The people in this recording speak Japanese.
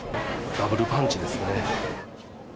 ダブルパンチですね。